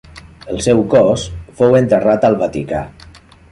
El seu cos fou enterrat al Vaticà.